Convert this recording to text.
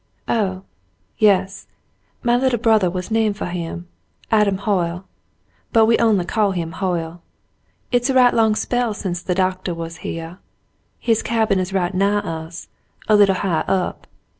"Oh, yes. My little brothah was named foh him, — Adam Hoyle, — but we only call him Hoyle. It's a right long spell since the Doctah was heah. His cabin is right nigh us, a little highah up.